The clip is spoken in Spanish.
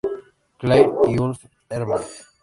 Clair y Ulf Hermann.